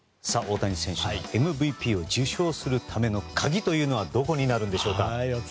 大谷選手がＭＶＰを受賞するための鍵というのはどこになるんでしょうか。